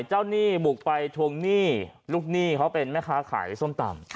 หนี้บุกไปทวงหนี้ลูกหนี้เขาเป็นแม่ค้าขายส้มตำ